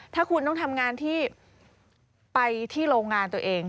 ถ้าคุณต้องทำงานที่ไปที่โรงงานตัวเอง